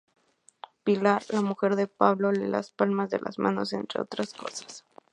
Pilar, la mujer de Pablo, lee las palmas de las manos entre otras cosas.